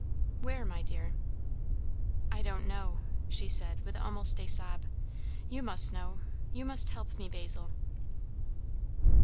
"Where, my dear? "I don't know," she said with almost a sob. "You must know. You must help me, Basil."